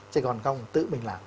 chứ còn không tự mình làm